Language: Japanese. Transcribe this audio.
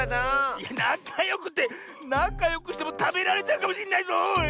いやなかよくってなかよくしてもたべられちゃうかもしんないぞおい！